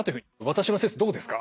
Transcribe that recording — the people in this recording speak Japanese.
私の説どうですか？